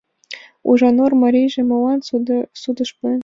— Ужанур марийже молан судыш пуэн?